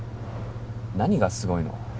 何がすごいの？